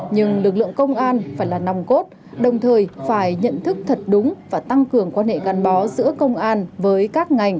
nhưng lực lượng công an phải là nòng cốt đồng thời phải nhận thức thật đúng và tăng cường quan hệ gắn bó giữa công an với các ngành